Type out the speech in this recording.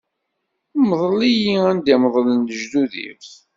Mḍel-iyi anda i meḍlen lejdud-iw.